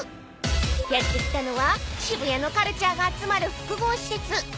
［やって来たのは渋谷のカルチャーが集まる複合施設］